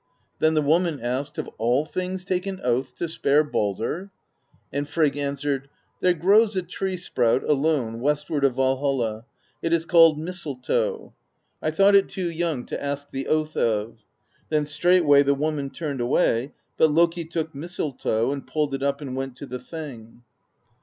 Then the woman asked: 'Have all things taken oaths to spare Baldr?' and Frigg answered: 'There grows a tree sprout alone westward of Valhall: it is called Mis tletoe; I thought it too young to ask the oath of.' Then straightway the woman turned away; but Loki took Mis tletoe and pulled it up and went to the Thing.